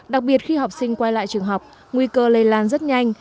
đặc biệt khi học sinh quay lại trường học nguy cơ lây lan rất nhanh